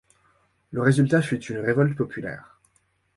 Le résultat fut une révolte populaire.